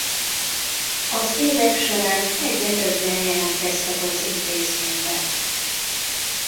Az évek során egyre többen jelentkeztek az intézménybe.